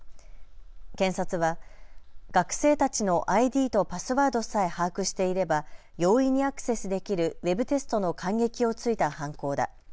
検察は学生たちのＩＤとパスワードさえ把握していれば容易にアクセスできるウェブテストの間隙を突いた犯行だ。